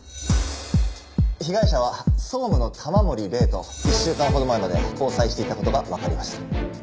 被害者は総務の玉森玲と１週間ほど前まで交際していた事がわかりました。